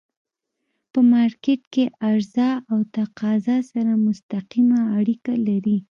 په مارکيټ کی عرضه او تقاضا سره مستقیمه اړیکه لري.